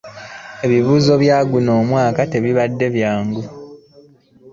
Ebibuuzo bya guno omwaka tebibadde byangu.